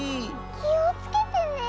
きをつけてね。